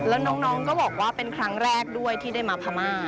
แล้วน้องก็บอกว่าเป็นครั้งแรกด้วยที่ได้มาพม่า